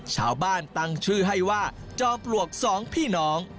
ชาวบ้านตั้งชื่อให้ว่าจอมปลวกสองพี่น้อง